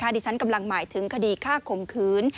ดิฉันกำลังหมายถึงคดีฆ่าข่มขืน